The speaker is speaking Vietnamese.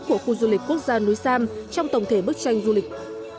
của khu du lịch quốc gia núi sam trong tổng thể bức tranh du lịch